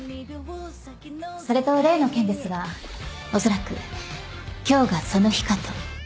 それと例の件ですがおそらく今日がその日かと。